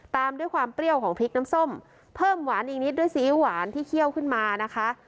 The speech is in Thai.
ตามด้วยความเปรี้ยวของพริกน้ำส้มเพิ่มหวานอีกนิดด้วยซีอิ๊วหวานที่เคี่ยวขึ้นมานะคะ